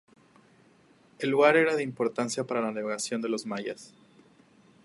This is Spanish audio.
El lugar era de importancia para la navegación de los mayas.